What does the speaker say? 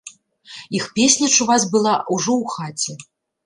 Іх песня чуваць была ўжо ў хаце.